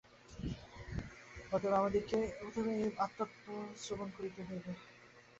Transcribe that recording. অতএব আমাদিগকে প্রথমে এই আত্মতত্ত্ব শ্রবণ করিতে হইবে।